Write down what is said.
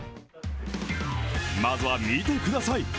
まずは見てください。